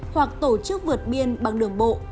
hoặc tổ chức vượt biên bằng đường bộ